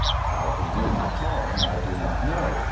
How he knew my calHng I do not know.